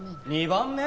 ２番目？